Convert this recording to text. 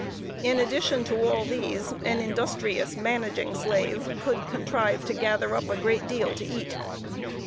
In addition to all these, an industrious, managing slave would contrive to gather up a great deal to eat.